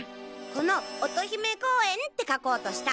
この乙姫公園って書こうとした。